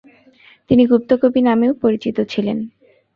তিনি "গুপ্ত কবি" নামেও পরিচিত ছিলেন।